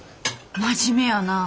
真面目やなあ。